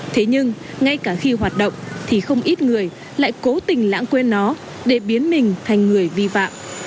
thế nhưng ngay cả khi hoạt động thì không ít người lại cố tình lãng quên nó để biến mình thành người vi phạm